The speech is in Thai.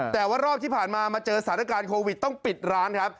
แต่ว่ารอบที่ผ่านมามาเจอสถานการณ์โควิดต้องปิดร้านครับ